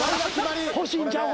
欲しいんちゃう？